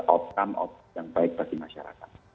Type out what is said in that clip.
outcome out yang baik bagi masyarakat